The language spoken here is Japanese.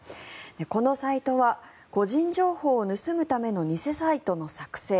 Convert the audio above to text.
このサイトは個人情報を盗むための偽サイトの作成